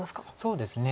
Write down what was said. そうですね。